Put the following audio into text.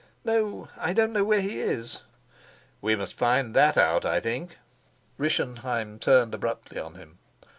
"No, I don't know where he is." "We must find that out, I think." Rischenheim turned abruptly on him.